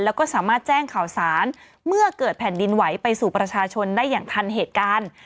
แล้วก็สามารถแจ้งข่าวสารเมื่อเกิดแผ่นดินไหวไปสู่ประชาชนได้อย่างทันเหตุการณ์